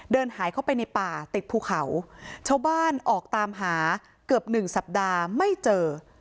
เดินหายเข้าไปในป่าติดภูเขาชาวบ้านออกตามหาเกือบหนึ่งสัปดาห์ไม่เจอ